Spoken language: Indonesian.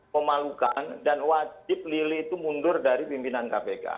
memalukan dan wajib lili itu mundur dari pimpinan kpk